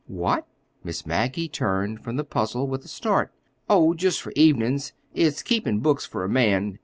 "What?" Miss Maggie turned from the puzzle with a start. "Oh, just for evenin's. It's keepin' books for a man.